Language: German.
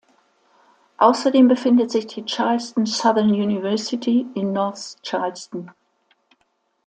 Außerdem befindet sich die Charleston Southern University in North Charleston.